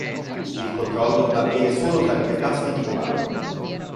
Il controllo avviene solo tramite tasti di comando.